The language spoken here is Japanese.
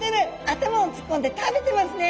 頭をつっこんで食べてますね。